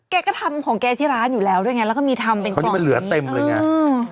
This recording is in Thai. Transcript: แกก็ทำของแกที่ร้านอยู่แล้วด้วยไงแล้วก็มีทำเป็นคนที่มันเหลือเต็มเลยไงอืม